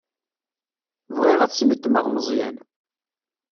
Bɣiɣ ad snetmeɣ Meẓyan.